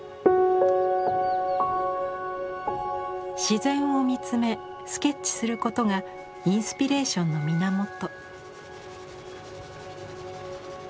自然を見つめスケッチすることがインスピレーションの源。